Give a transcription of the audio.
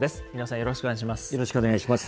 よろしくお願いします。